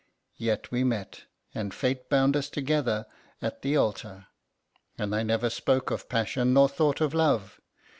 Yet we met; and fate bound us together at the altar; and I never spoke of passion nor thought of love.